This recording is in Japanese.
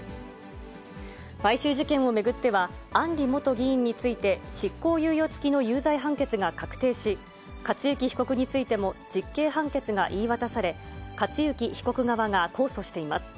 買収事件を巡っては、案里元議員について、執行猶予付きの有罪判決が確定し、克行被告についても実刑判決が言い渡され、克行被告側が控訴しています。